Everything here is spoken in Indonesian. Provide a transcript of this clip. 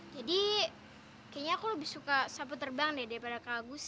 jadi kayaknya aku lebih suka sapu terbang deh daripada kak agus